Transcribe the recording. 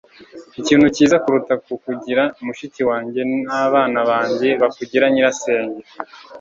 ikintu cyiza kuruta kukugira mushiki wanjye ni abana banjye bakugira nyirasenge